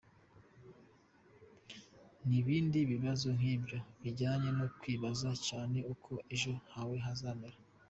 N’ibindi bibazo nk’ibyo bijyanye no kwibaza cyane uko ejo hawe hazamera.